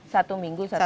satu minggu satu ton